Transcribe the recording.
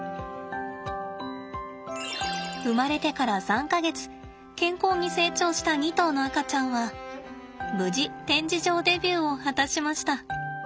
生まれてから３か月健康に成長した２頭の赤ちゃんは無事展示場デビューを果たしました。